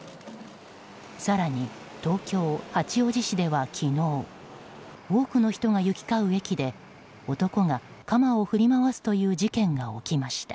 更に、東京・八王子市では昨日多くの人が行き交う駅で男が鎌を振り回すという事件が起きました。